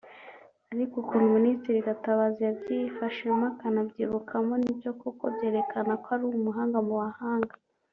Ariko ukuntu Ministre Gatabazi yabyifashemo akanabyikuramo ni byo koko byerekanaga ko ari umuhanga mu mu bahanga